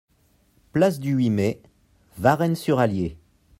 Place du huit Mai, Varennes-sur-Allier